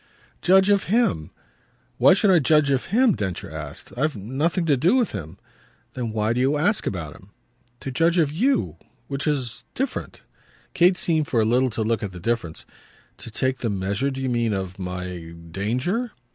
"Judge of him." "Why should I judge of him?" Densher asked. "I've nothing to do with him." "Then why do you ask about him?" "To judge of you which is different." Kate seemed for a little to look at the difference. "To take the measure, do you mean, of my danger?"